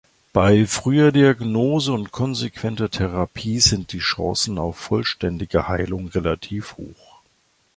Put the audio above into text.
Bei früher Diagnose und konsequenter Therapie sind die Chancen auf vollständige Heilung relativ hoch.